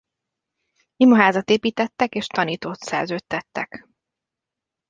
Imaházat építettek és tanítót szerződtettek.